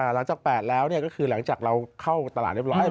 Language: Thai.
หลังจาก๘แล้วก็คือหลังจากเราเข้าตลาดเรียบร้อย